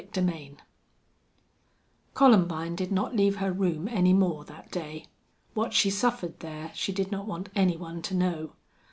CHAPTER VIII Columbine did not leave her room any more that day. What she suffered there she did not want any one to know.